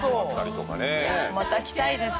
また来たいです。